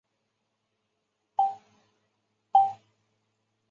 有些地区将条纹鬣狗作为宠物饲养。